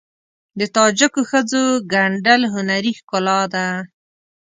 د تاجکو ښځو ګنډل هنري ښکلا ده.